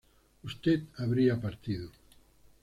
usted habría partido